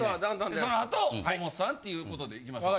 そのあと河本さんっていうことでいきましょう。